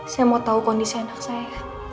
saya mau tahu kondisi anak saya